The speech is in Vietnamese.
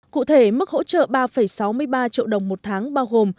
cụ thể mức hỗ trợ ba sáu mươi ba triệu đồng một tháng bao gồm